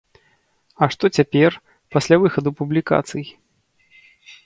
А што цяпер, пасля выхаду публікацый?